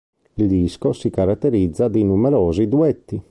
Il disco si caratterizza di numerosi duetti.